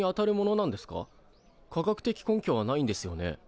科学的根拠はないんですよね？